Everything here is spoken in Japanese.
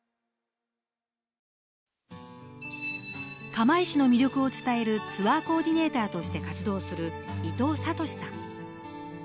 釜石市の魅力を伝えるツアーコーディネーターとして活動する伊藤聡さん。